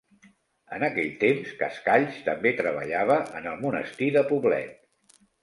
En aquell temps Cascalls també treballava en el monestir de Poblet.